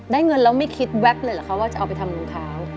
เงินแล้วไม่คิดแว๊บเลยเหรอคะว่าจะเอาไปทำรองเท้า